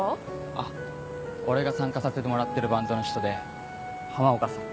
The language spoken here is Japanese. あっ俺が参加させてもらってるバンドの人で浜岡さん。